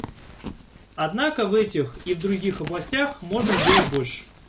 Однако в этих и в других областях можно сделать больше.